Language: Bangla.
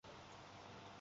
তিনি রোমান ক্যাথলিক।